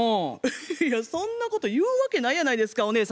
いやそんなこと言うわけないやないですかお姉様。